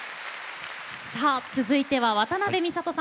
続いては渡辺美里さん